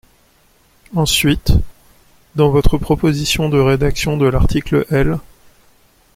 Ensuite, dans votre proposition de rédaction de l’article L.